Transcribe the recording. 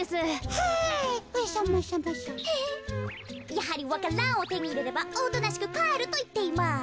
やはりわか蘭をてにいれればおとなしくかえるといっています。